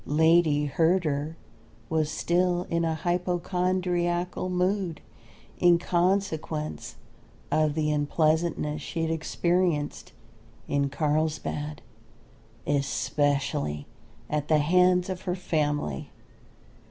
Lady Herder was still in a hypochondriacal mood in consequence of the unpleasantnesses she had experienced in Carlsbad, especially at the hands of her family.